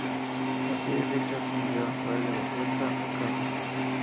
Así, Richard envió a Sage de vuelta a casa.